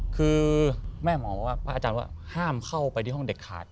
คือพระอาจารย์ว่าพระอาจารย์ว่าห้ามเข้าไปที่ห้องเด็กขัด